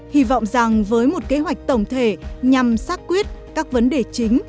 hy vọng rằng với một kế hoạch tổng thể nhằm xác quyết các vấn đề chính